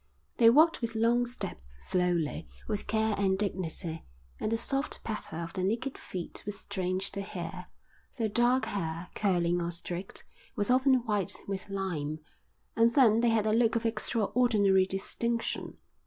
They walked with long steps, slowly, with care and dignity, and the soft patter of their naked feet was strange to hear. Their dark hair, curling or straight, was often white with lime, and then they had a look of extraordinary distinction.